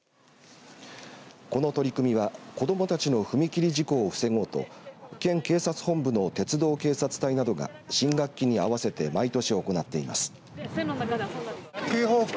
この取り組みは子どもたちの踏切事故を防ごうと県警察本部の鉄道警察隊などが新学期に合わせて毎年行っています。